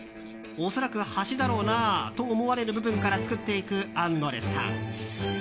恐らく端だろうなあと思われる部分から作っていくアンドレさん。